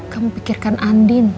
kamu pikirkan andin